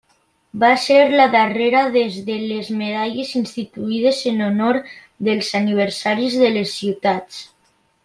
Va ser la darrera de les medalles instituïdes en honor dels aniversaris de les ciutats.